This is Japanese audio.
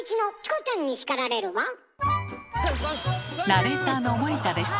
ナレーターの森田です。